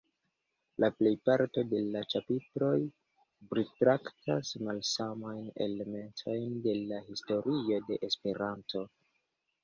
La plejparto de la ĉapitroj pritraktas malsamajn elementojn de la historio de Esperanto.